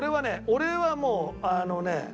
俺はもうあのね